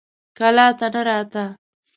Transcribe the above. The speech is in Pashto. کلا ته نه راته.